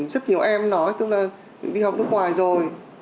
rất nhiều em nói tức là đi học nước ngoài rồi